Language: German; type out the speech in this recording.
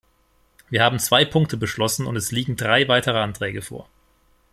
Wir haben zwei Punkte beschlossen, und es liegen drei weitere Anträge vor.